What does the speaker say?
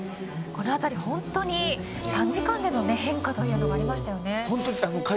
このあたり本当に短時間での変化というのがありました。